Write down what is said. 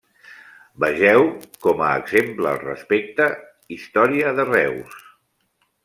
Vegeu, com a exemple al respecte, Història de Reus.